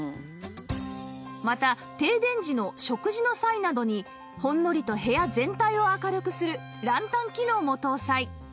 また停電時の食事の際などにほんのりと部屋全体を明るくするランタン機能も搭載